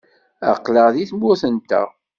Aql-aɣ deg tmurt-nteɣ.